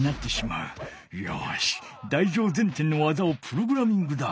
よし台上前転の技をプログラミングだ！